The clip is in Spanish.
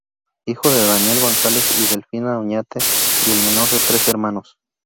Hijo de Daniel González y Delfina Oñate, y el menor de tres hermanos.